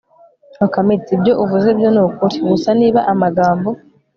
bakame iti ibyo uvuze byo ni ukuri. gusa niba amagambo